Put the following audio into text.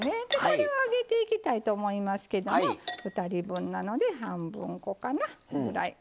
これを揚げていきたいと思いますけども２人分なので半分こかな。こんぐらい。